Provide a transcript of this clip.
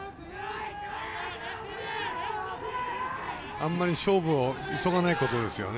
あんまり勝負を急がないことですね